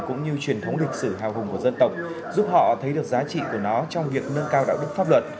cũng như truyền thống lịch sử hào hùng của dân tộc giúp họ thấy được giá trị của nó trong việc nâng cao đạo đức pháp luật